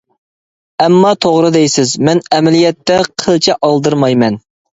ئەمما توغرا دەيسىز، مەن ئەمەلىيەتتە قىلچە ئالدىرىمايمەن.